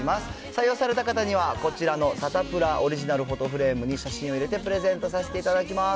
採用された方には、こちらのサタプラオリジナルフォトフレームに写真を入れてプレゼントさせていただきます。